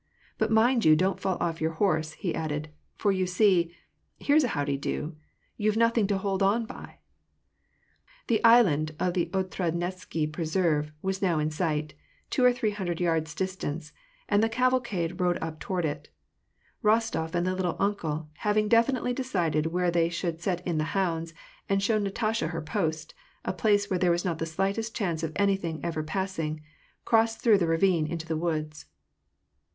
"But mind you don't fall off your horse," he added. "For you see, — here's a how de do! — you see you've nothing to hold on by !" The " island " of the Otradnensky preserve was now in sight, two or three hundred yards distant, and the cavalcade rode up toward it. llostof and the "little uncle" having definitely decided where they should set in the hounds, and shown Natasha her post, a place where there was not the slightest chance of anything ever passing, crossed through a ravine into the woods.